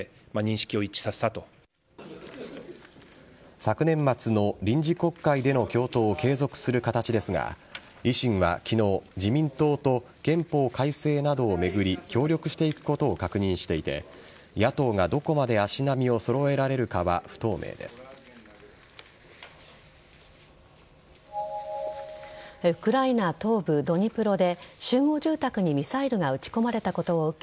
昨年末の臨時国会での共闘を継続する形ですが維新は昨日自民党と憲法改正などを巡り協力していくことを確認していて野党がどこまで足並みを揃えられるかはウクライナ東部・ドニプロで集合住宅にミサイルが撃ち込まれたことを受け